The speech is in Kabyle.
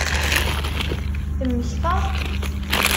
Temmektaḍ-d?